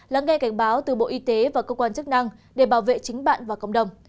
lắng nghe cảnh báo từ bộ y tế và cơ quan chức năng để bảo vệ chính bạn và cộng đồng